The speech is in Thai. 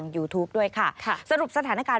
สวัสดีค่ะสวัสดีค่ะ